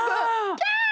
キャー！